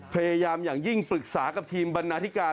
พยายามอย่างยิ่งปรึกษากับทีมบรรณาธิการ